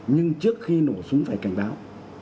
nhưng trước khi nổ súng phải cảnh báo